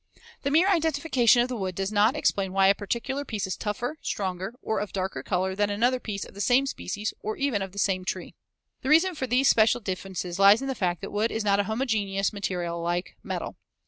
The mere identification of the wood does not explain why a particular piece is tougher, stronger or of darker color than another piece of the same species or even of the same tree. The reason for these special differences lies in the fact that wood is not a homogeneous material like metal.